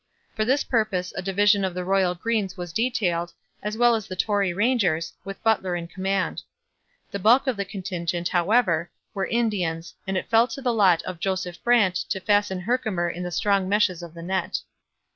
For this purpose a division of the Royal Greens was detailed, as well as the Tory Rangers, with Butler in command. The bulk of the contingent, however, were Indians, and it fell to the lot of Joseph Brant to fasten Herkimer in the strong meshes of his net.